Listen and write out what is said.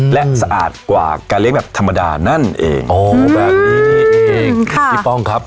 และสะอาดกว่าการเลี้ยงแบบธรรมดานั่นเองอ๋อแบบนี้นี่เองค่ะพี่ป้องครับ